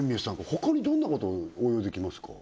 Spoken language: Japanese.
他にどんなこと応用できますか？